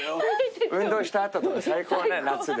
運動した後とか最高ね夏で。